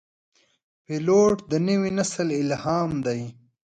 پیلوټ د نوي نسل الهام دی.